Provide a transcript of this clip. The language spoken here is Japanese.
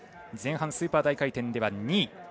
前半スーパー大回転では２位。